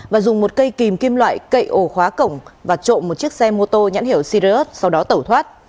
và dùng một cây kìm kim loại cậy ổ khóa cổng và trộm một chiếc xe mô tô nhãn hiệu sirius sau đó tẩu thoát